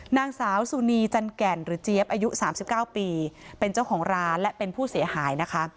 นางสาวสุนีจันแก่นหรือเจี๊ยบอายุ๓๙ปีเป็นเจ้าของร้านและเป็นผู้เสียหายนะคะ